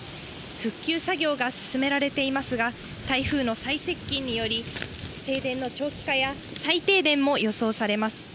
復旧作業が進められていますが、台風の最接近により停電の長期化や再停電も予想されます。